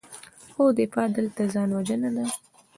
خو دفاع دلته ځان وژنه ده.